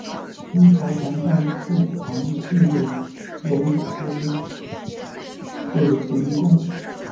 清朝曾在寺旁建有隆福寺行宫。